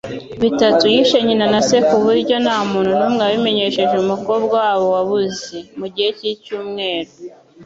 Bitatu. Yishe nyina na se kuburyo ntamuntu numwe wabimenyesha umukobwa wabo wabuze, mugihe cyicyumweru.